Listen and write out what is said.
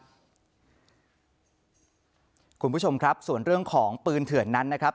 คุณผู้ชมครับส่วนเรื่องของปืนเถื่อนนั้นนะครับ